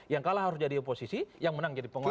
yang kalah harus jadi oposisi yang menang jadi pengurus